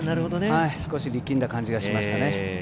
少し力んだ感じがしましたね。